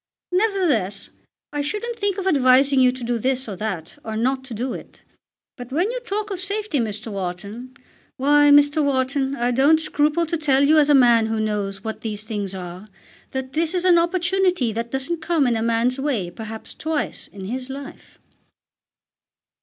Nevertheless I shouldn't think of advising you to do this or that, or not to do it. But when you talk of safety, Mr. Wharton, why, Mr. Wharton, I don't scruple to tell you as a man who knows what these things are, that this is an opportunity that doesn't come in a man's way perhaps twice in his life."